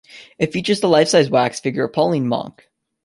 It features the life-size wax figure of a Pauline monk.